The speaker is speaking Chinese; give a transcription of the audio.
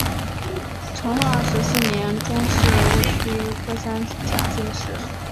成化十四年中式戊戌科三甲进士。